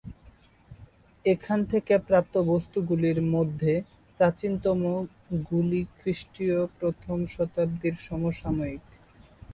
এখান থেকে প্রাপ্ত বস্তুগুলির মধ্যে প্রাচীনতম গুলি খ্রিস্টীয় প্রথম শতাব্দীর সমসাময়িক।